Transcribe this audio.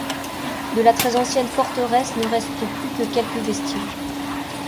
De la très ancienne forteresse ne restent plus que quelques vestiges.